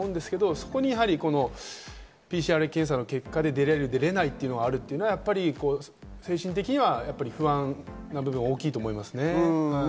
そこにＰＣＲ検査の結果で出る出られないというのは精神的には不安な部分は大きいと思います。